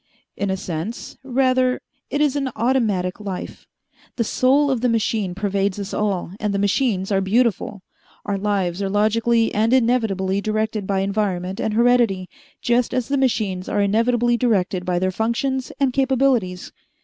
"In a sense. Rather it is an automatic life. The soul of the machine pervades us all, and the machines are beautiful. Our lives are logically and inevitably directed by environment and heredity just as the machines are inevitably directed by their functions and capabilities.